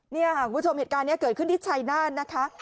นี่ค่ะคุณผู้ชมเหตุการณ์นี้เกิดขึ้นที่ชัยนาธนะคะ